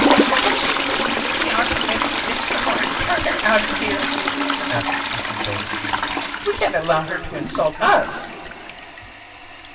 "Don't you think we ought to make Mr Horn turn her out of here?" asked Mrs Davidson. "We can't allow her to insult us."